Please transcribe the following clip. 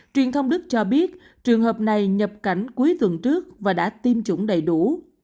truyền thông đức cho biết trường hợp này nhập cảnh cuối tuần trước và đã tiêm chủng đầy đủ